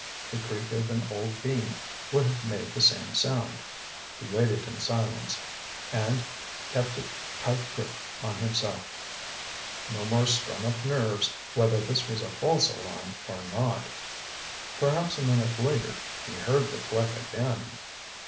The creak of an old beam would have made the same sound. He waited in silence, and kept a tight grip on himself. No more strung up nerves, whether this was a false alarm or not. Perhaps a minute later, he heard the click again.